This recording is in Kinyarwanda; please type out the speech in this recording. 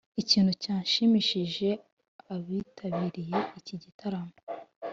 ikintu cyashimishije abitabiriye iki gitaramo